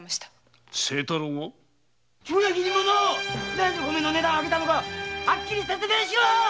なぜ米の値段を上げたのかはっきり説明しろ！